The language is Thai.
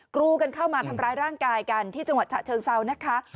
กรูกันเข้ามาทำร้ายร่างกายกันที่จังหวัดฉะเชิงเซานะคะ